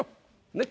ねっ。